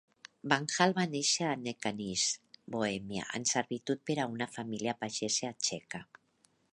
Wanhal va nàixer a Nechanice, Bohemia, en servitud per a una família pagesa txeca.